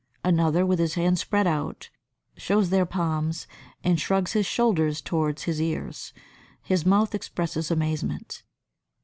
Another, with his hands spread out, shows their palms, and shrugs his shoulders towards his ears; his mouth expresses amazement.